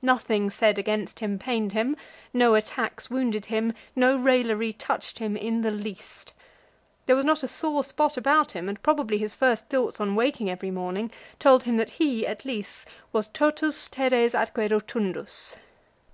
Nothing said against him pained him, no attacks wounded him, no raillery touched him in the least. There was not a sore spot about him, and probably his first thoughts on waking every morning told him that he, at least, was totus teres atque rotundus.